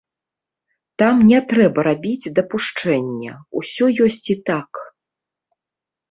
Там не трэба рабіць дапушчэння — усё ёсць і так.